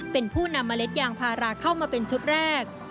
เป็นผู้นำเมล็ดยางพาราเข้ามาเป็นชุดแรก